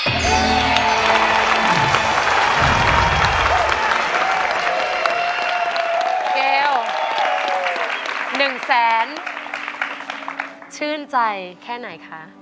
เกลหนึ่งแสนชื่นใจแค่ไหนคะ